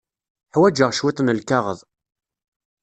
Ḥwajeɣ cwiṭ n lkaɣeḍ.